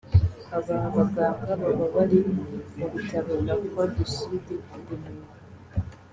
Aba baganga baba bari mu bitaro la Croix du Sud i Remera